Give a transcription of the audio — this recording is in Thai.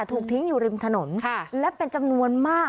ถูกทิ้งอยู่ริมถนนและเป็นจำนวนมาก